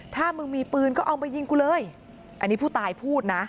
ถ้ามึงมีปืนก็เอามายิงกูเลยอันนี้ผู้ตายพูดนะ